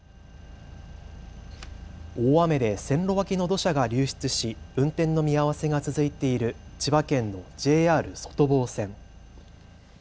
大雨で線路脇の土砂が流出し運転の見合わせが続いている千葉県のＪＲ外房線。